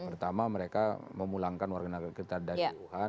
pertama mereka memulangkan warganegara kita dari wuhan